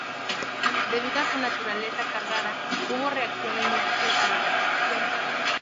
Debido a su naturaleza cargada, hubo reacciones múltiples a la resolución.